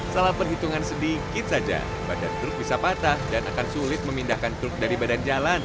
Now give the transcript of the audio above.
salah perhitungan sedikit saja badan truk bisa patah dan akan sulit memindahkan truk dari badan jalan